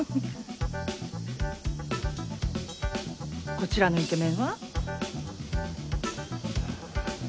こちらのイケメンは？